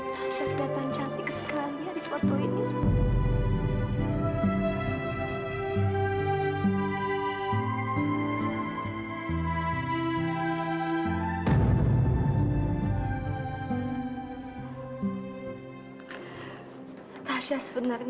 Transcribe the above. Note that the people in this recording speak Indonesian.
saya kelihatan cantik sekarang ya di foto ini